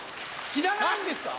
知らないんですか？